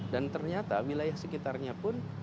dan ternyata wilayah sekitarnya pun